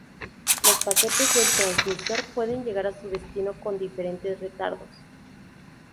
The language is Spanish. Los paquetes del transmisor pueden llegar a su destino con diferentes retardos.